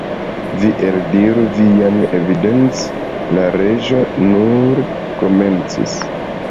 "Vi eldiru vian evidenc" la Reĝo nur komencis.